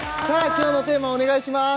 今日のテーマをお願いします